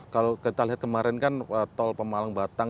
kalau kita lihat kemarin kan tol pemalang batang